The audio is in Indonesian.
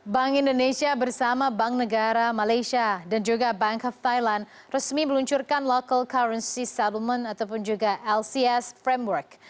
bank indonesia bersama bank negara malaysia dan juga bank of thailand resmi meluncurkan local currency setlement ataupun juga lcs framework